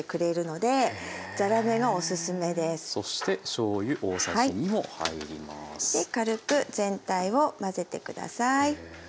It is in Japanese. で軽く全体を混ぜて下さい。